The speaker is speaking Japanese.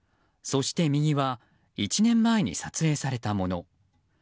そして右は１年前に撮影されたもの。